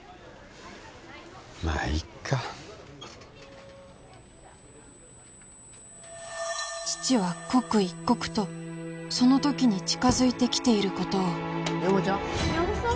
まあいっか父は刻一刻とその時に近づいてきていることをみやもっちゃん？